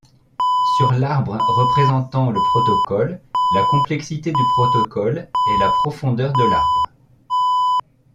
Sur l'arbre représentant le protocole, la complexité du protocole est la profondeur de l’arbre.